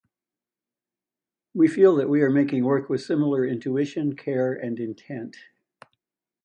We feel that we are making work with similar intuition, care and intent.